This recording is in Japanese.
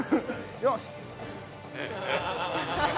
よし！